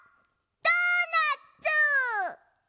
ドーナツ！